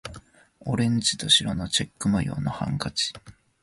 オレンジと白のチェック模様のハンカチ